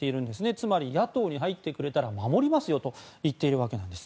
つまり野党に入ってくれたら守りますよと言っているわけなんです。